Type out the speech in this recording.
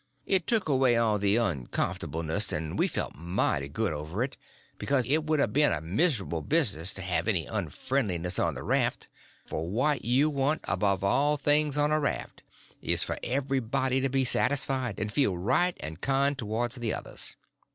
It took away all the uncomfortableness and we felt mighty good over it, because it would a been a miserable business to have any unfriendliness on the raft; for what you want, above all things, on a raft, is for everybody to be satisfied, and feel right and kind towards the others.